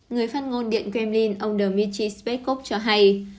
người phát ngôn điện kremlin ông dmitry spekov cho hay